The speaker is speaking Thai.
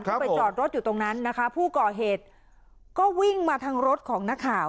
ก็ไปจอดรถอยู่ตรงนั้นนะคะผู้ก่อเหตุก็วิ่งมาทางรถของนักข่าว